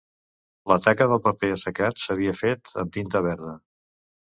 La taca del paper assecant s'havia fet amb tinta verda.